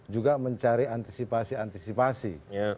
juga mencari antisipasi antisipasi